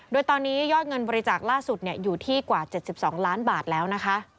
ด้วยตอนนี้ยอดเงินบริจาคล่าสุดเนี่ยอยู่ที่กว่าเจ็ดสิบสองล้านบาทแล้วนะคะ